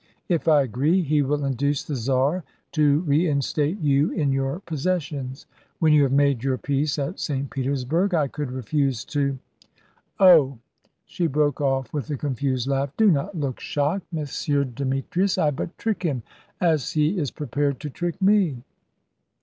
If I agree, he will induce the Czar to reinstate you in your possessions. When you have made your peace at St. Petersburg, I could refuse to Oh!" she broke off with a confused laugh, "do not look shocked, M. Demetrius. I but trick him, as he is prepared to trick me."